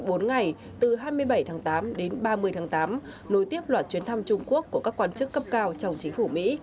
bốn ngày từ hai mươi bảy tháng tám đến ba mươi tháng tám nối tiếp loạt chuyến thăm trung quốc của các quan chức cấp cao trong chính phủ mỹ